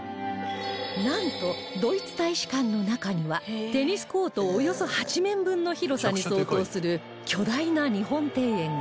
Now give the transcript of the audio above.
なんとドイツ大使館の中にはテニスコートおよそ８面分の広さに相当する巨大な日本庭園が